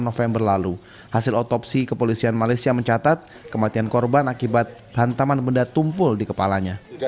november lalu hasil otopsi kepolisian malaysia mencatat kematian korban akibat hantaman benda tumpul di kepalanya